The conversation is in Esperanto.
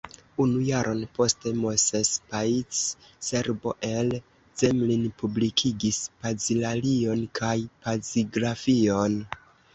Unu jaron poste Moses Paic, Serbo el Zemlin, publikigis pazilalion kaj pazigrafion.